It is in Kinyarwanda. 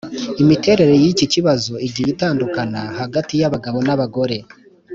imiterere y'iki kibazo igiye itandukana hagati y'abagabo n'abagore.